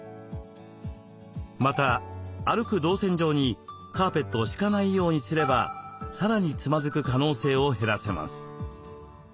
また歩く動線上にカーペットを敷かないようにすればさらにつまずく可能性を減らせます。